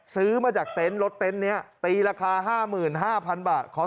ซื้อมาจากเต็นต์รถเต็นต์เนี่ยตีราคาห้าหมื่นห้าพันบาท